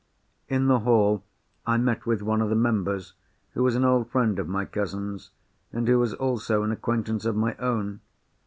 In the hall, I met with one of the members, who was an old friend of my cousin's, and who was also an acquaintance of my own.